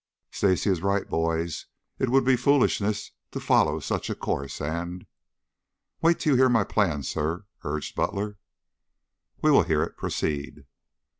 "Stacy is right, boys. It would be foolishness to follow such a course and " "Wait till you hear my plan, sir," urged Butler. "We will hear it. Proceed."